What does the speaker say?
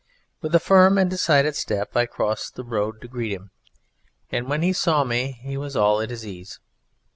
With a firm and decided step I crossed the road to greet him, and when he saw me he was all at his ease.